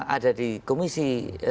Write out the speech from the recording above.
ada di komisi sepuluh